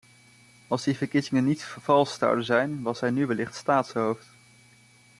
Als die verkiezingen niet vervalst zouden zijn, was hij nu wellicht staatshoofd.